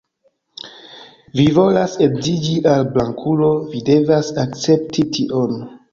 Vi volas edziĝi al blankulo, vi devas akcepti tion.